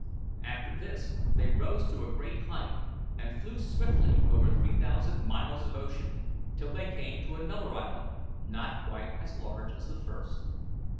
After this they rose to a great height, and flew swiftly over three thousand miles of ocean till they came to another island not quite as large as the first.